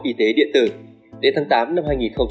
y tế điện tử đến tháng tám năm hai nghìn hai mươi